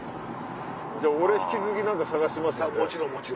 俺引き続き何か探しますんで。